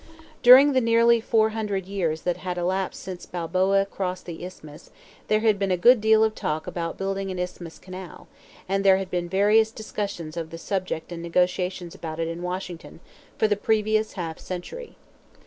During the nearly four hundred years that had elapsed since Balboa crossed the Isthmus, there had been a good deal of talk about building an Isthmus canal, and there had been various discussions of the subject and negotiations about it in Washington for the previous half century.